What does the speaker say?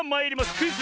クイズ